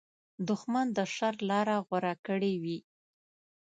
دښمن د شر لاره غوره کړې وي